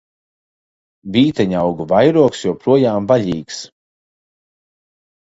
Vīteņaugu vairogs joprojām vaļīgs!